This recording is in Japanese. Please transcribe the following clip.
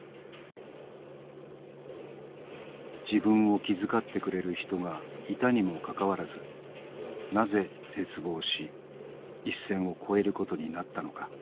自分を気遣ってくれる人がいたにもかかわらずなぜ絶望し一線を越えることになったのか。